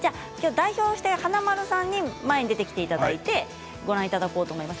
代表して華丸さんに前に出てきていただいてご覧いただこうと思います。